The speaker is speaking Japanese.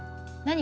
何？